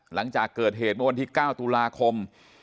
หลังจากเกิดเหตุเมื่อวันที่๙ตุลาคม